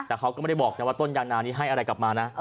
แต่เขาก็ไม่ได้บอกนะว่าต้นยางนานี้ให้อะไรกลับมานะ